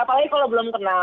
apalagi kalau belum kenal